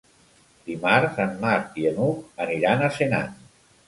Dimarts en Marc i n'Hug aniran a Senan.